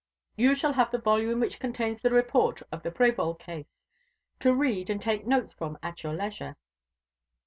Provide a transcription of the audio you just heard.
You shall have the volume which contains the report of the Prévol case, to read and take notes from at your leisure."